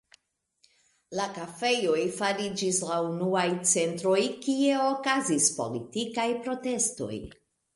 La kafejoj fariĝis la unuaj centroj, kie okazis politikaj protestoj.